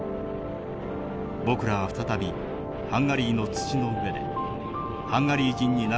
僕らは再びハンガリーの土の上でハンガリー人になる事ができるのだ。